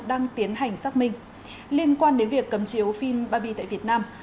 đang tiến hành xác minh liên quan đến việc cấm chiếu phim baby tại việt nam